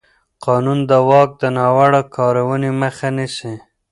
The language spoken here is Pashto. قانون د واک د ناوړه کارونې مخه نیسي.